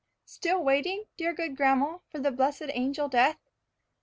"Still waiting, dear good grandma, for the blessed angel Death?"